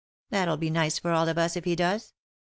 That'll be nice for all of us if he does.